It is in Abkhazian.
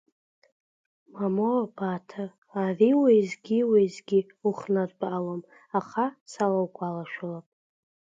Мамоу, Баҭа, ари уеизгьы-уеизгьы ухнартәалом, аха салаугәалашәалап…